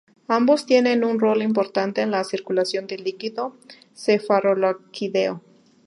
Ambos tienen un rol importante en la circulación del líquido cefalorraquídeo.